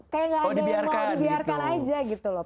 kayak gak ada yang mau dibiarkan aja gitu loh